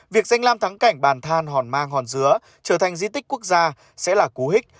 việc danh lam thắng cảnh bàn than hòn mang hòn dứa trở thành di tích quốc gia sẽ là cú hích